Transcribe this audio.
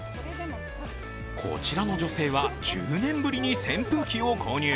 こちらの女性は１０年ぶりに扇風機を購入。